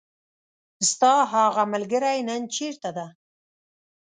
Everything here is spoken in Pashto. ستاهغه ملګری نن چیرته ده .